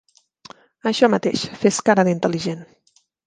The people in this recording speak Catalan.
Això mateix, fes cara d'intel·ligent.